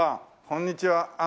こんにちは。